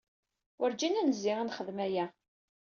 Werǧin ad nezzi ad nexdem aya.